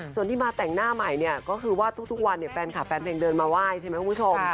ส่วนที่มาแต่งหน้าใหม่ก็คือว่าทุกวันแฟนขาแฟนเพลงเดินมาว่ายใช่ไหมคุณผู้ชม